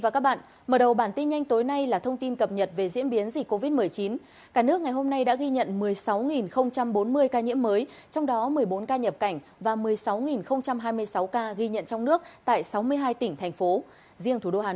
cảm ơn các bạn đã theo dõi